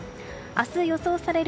明日予想される